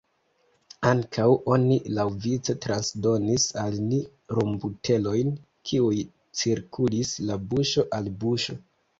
Ankaŭ, oni laŭvice transdonis al ni rumbotelojn, kiuj cirkulis de buŝo al buŝo.